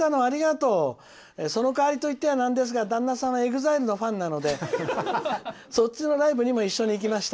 その代わりといってはなんですが旦那さんはＥＸＩＬＥのファンなのでそっちのライブにも一緒に行きました」。